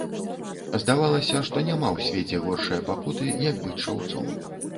Здавалася, што няма ў свеце горшае пакуты, як быць шаўцом.